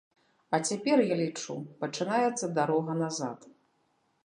А цяпер, я лічу, пачынаецца дарога назад.